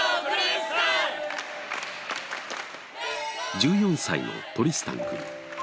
１４歳のトリスタンくん。